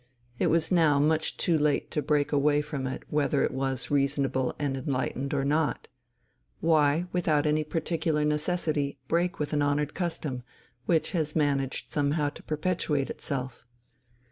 It was now much too late to break away from it whether it was reasonable and enlightened or not: why, without any particular necessity, break with an honoured custom, which had managed somehow to perpetuate itself?